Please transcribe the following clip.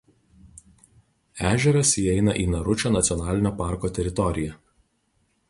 Ežeras įeina į Naručio nacionalinio parko teritoriją.